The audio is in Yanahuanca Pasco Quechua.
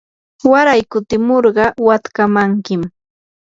waray kutimurqa watkamankim.